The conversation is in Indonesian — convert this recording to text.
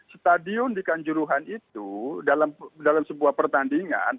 stadion di kanjuruhan itu dalam sebuah pertandingan